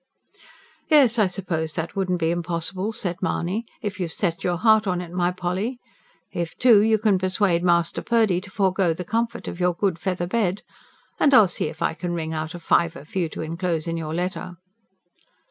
"Yes, I suppose that wouldn't be impossible," said Mahony. "If you've set your heart on it, my Polly. If, too, you can persuade Master Purdy to forgo the comfort of your good feather bed. And I'll see if I can wring out a fiver for you to enclose in your letter."